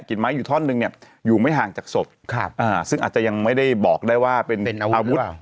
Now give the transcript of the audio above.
กลิ่นไม้อยู่ท่อนหนึ่งเนี่ยอยู่ไม่ห่างจากศพครับอ่าซึ่งอาจจะยังไม่ได้บอกได้ว่าเป็นอาวุธเป็นอาวุธหรือเปล่า